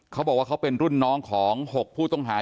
เขาบอกว่าเขาเป็นรุ่นน้องของ๖ผู้ต้องหา